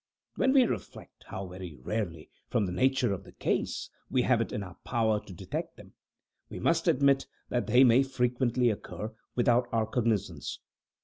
When we reflect how very rarely, from the nature of the case, we have it in our power to detect them, we must admit that they may frequently occur without our cognizance.